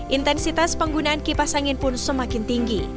intensitas penggunaan kipas angin pun semakin tinggi